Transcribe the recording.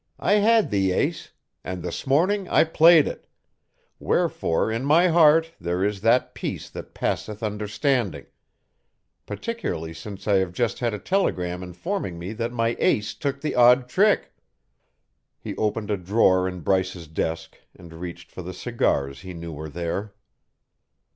I had the ace, and this morning I played it wherefore in my heart there is that peace that passeth understanding particularly since I have just had a telegram informing me that my ace took the odd trick." He opened a drawer in Bryce's desk and reached for the cigars he knew were there.